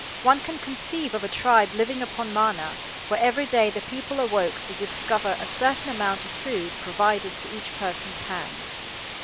One can conceive of a tribe living upon manna, where every day the people awoke to discover a certain amount of food provided to each person's hand.